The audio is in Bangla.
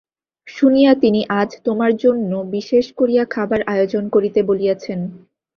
শুনিয়া তিনি আজ তোমার জন্য বিশেষ করিয়া খাবার আয়োজন করিতে বলিয়াছেন।